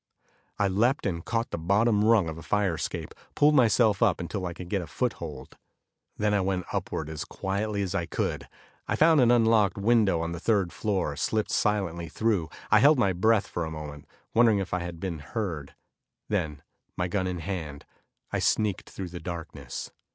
I leaped and caught the bottom rung of a fire escape, pulled myself up until I could get a foothold. Then I went upward as quietly as I could. I found an unlocked window on the third floor, slipped silently through. I held my breath for a moment, wondering if I had been heard. Then, my gun in my hand, I sneaked through the darkness.